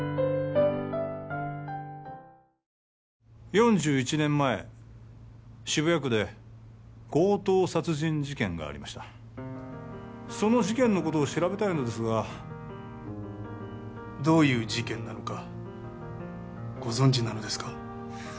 ４１年前渋谷区で強盗殺人事件がありましたその事件のことを調べたいのですがどういう事件なのかご存じなのですか？